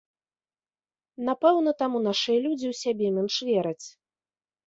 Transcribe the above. Напэўна, таму нашыя людзі ў сябе менш вераць.